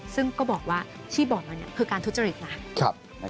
ซึ่งก็บอกว่าที่บอกมาคือการทุจริตนะ